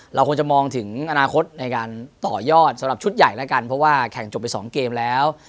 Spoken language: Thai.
เราคงจะมองถึงอนาคตในการต่อยอดสำหรับชุดใหญ่แล้วกันเพราะว่าแข่งจบไปสองเกมแล้ว